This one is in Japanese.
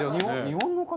日本の方？